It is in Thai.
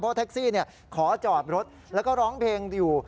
เพราะแท็กซี่ขอจอดรถแล้วก็ร้องเพลงอยู่